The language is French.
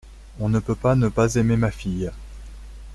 On ne peut pas ne pas aimer ma fille !